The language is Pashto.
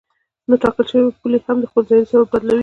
نو ټاکل شوې پولې هم خپل ځایونه ورسره بدلوي.